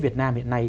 việt nam hiện nay